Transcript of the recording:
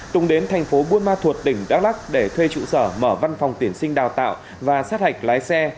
tùng đến tp buôn ma thuộc tỉnh đắk lắc để thuê trụ sở mở văn phòng tiển sinh đào tạo và sát hạch lái xe